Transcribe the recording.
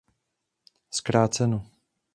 Zkráceno.